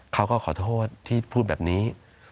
เขาก็ขอโทษที่พูดแบบนี้